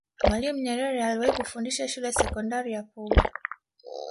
mwalimu nyerere aliwahi kufundisha shule ya sekondari ya pugu